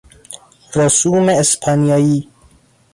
رسوم اسپانیایی